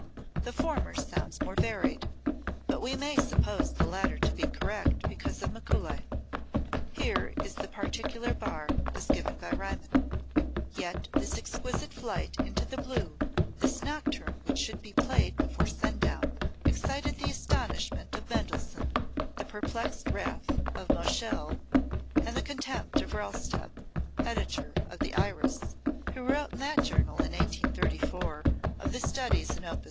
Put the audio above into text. The former sounds more varied, but we may suppose the latter to be correct because of Mikuli. Here is the particular bar, as given by Riemann: [Musical score excerpt] Yet this exquisite flight into the blue, this nocturne which should be played before sundown, excited the astonishment of Mendelssohn, the perplexed wrath of Moscheles and the contempt of Rellstab, editor of the "Iris," who wrote in that journal in 1834 of the studies in op.